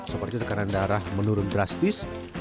seperti tekanan darah menurun drastis